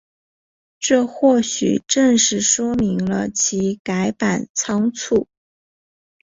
这或许正是说明了其改版仓促。